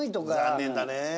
残念だね。